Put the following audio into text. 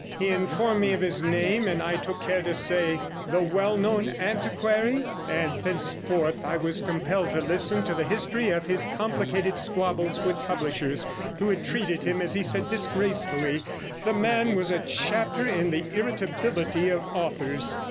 He informed me of his name, and I took care to say, 'The well known antiquary?' and thenceforth I was compelled to listen to the history of his complicated squabbles with publishers, who had treated him, as he said, disgracefully; the man was a chapter in the Irritability of Authors.